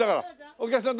お客さん